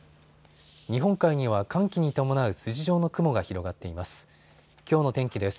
日本海には寒気に伴う筋状の雲が広がっています。